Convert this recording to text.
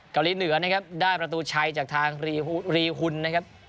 เกาหลีเหนือนะครับได้ประตูชัยจากทางรีหุ่นนะครับ